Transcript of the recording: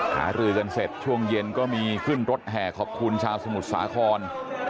หารือกันเสร็จช่วงเย็นก็มีขึ้นรถแห่ขอบคุณชาวสมุทรสาคร